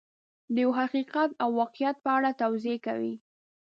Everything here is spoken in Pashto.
د یو حقیقت او واقعیت په اړه توضیح کوي.